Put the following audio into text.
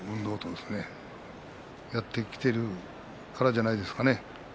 それをやっているからじゃないですかね。